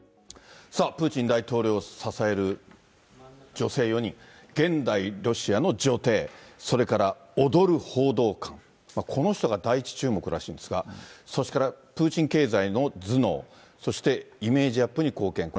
さあ、プーチン大統領を支える女性４人、現代ロシアの女帝、それから踊る報道官、この人が第一注目らしいんですが、それからプーチン経済の頭脳、そしてイメージアップに貢献。